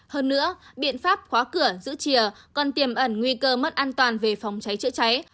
hơn nữa biện pháp khóa cửa giữ chìa còn tiềm ẩn nguy cơ mất an toàn về phòng cháy chữa cháy